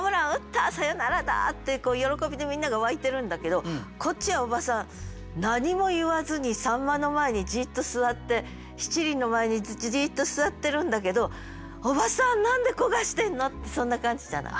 サヨナラだ！」って喜びでみんなが沸いてるんだけどこっちは叔母さん何も言わずに秋刀魚の前にじっと座って七輪の前にじっと座ってるんだけど「叔母さん何で焦がしてんの！」ってそんな感じじゃない？